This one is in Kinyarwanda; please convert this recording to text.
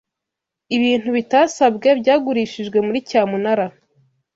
Ibintu bitasabwe byagurishijwe muri cyamunara.